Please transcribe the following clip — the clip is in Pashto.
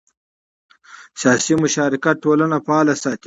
سیاسي مشارکت ټولنه فعاله ساتي